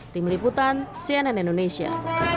tim liputan cnn indonesia